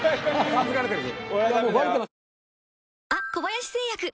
感付かれてるぞ。